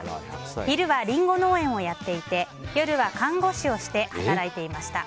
昼はリンゴ農園をやっていて夜は看護師をして働いていました。